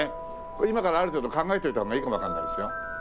今からある程度考えておいたほうがいいかもわかんないですよ。